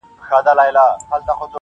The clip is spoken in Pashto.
سوځوي مي د خپل ستوني درد بې اوره-